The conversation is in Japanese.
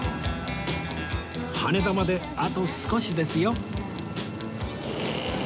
羽田まであと少しですよ